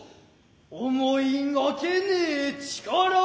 思いがけねえ力が出来。